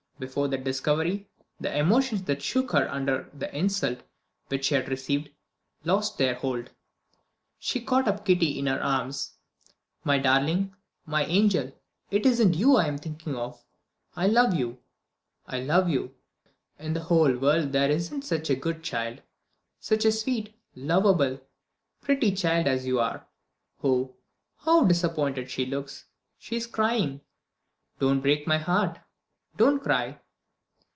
Before that discovery, the emotions that shook her under the insult which she had received lost their hold. She caught Kitty up in her arms. "My darling, my angel, it isn't you I am thinking of. I love you! I love you! In the whole world there isn't such a good child, such a sweet, lovable, pretty child as you are. Oh, how disappointed she looks she's crying. Don't break my heart! don't cry!"